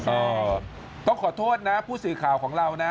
อะต้องขอโทษนะผู้สีขาวของเรานะ